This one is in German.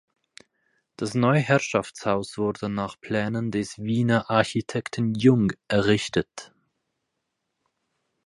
Das neue Herrschaftshaus wurde nach Plänen des Wiener Architekten Jung errichtet.